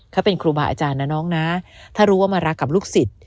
เขาเป็นครูบาอาจารย์นะน้องนะถ้ารู้ว่ามารักกับลูกศิษย์